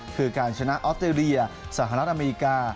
คือการชนะออสเตรเลียสหรัฐอเมริกา